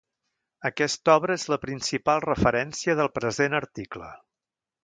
Aquesta obra és la principal referència del present article.